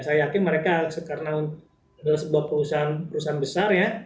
saya yakin mereka karena adalah sebuah perusahaan perusahaan besar ya